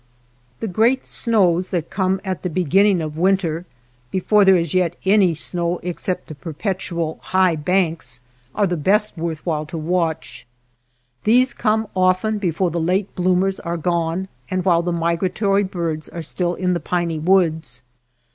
The great snows that come at the be 253 NURSLINGS OF THE SKY I ginning of winter, before there is yet any snow except the perpetual high banks, are best worth while to watch. These come often before the late bloomers are gone and while the migratory birds are still in the piney woods.